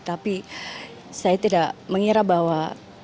tapi saya tidak mengira bahwa